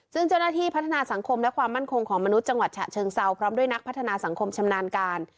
ซึ่งเจ้าหน้าที่พัฒนาสังคมและความมั่นคงของมนุษย์จังหวัดฉะเชิงเซาพร้อมด้วยนักพัฒนาสังคมชำนาญการ